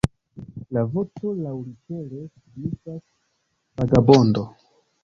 La voto laŭlitere signifas "vagabondo".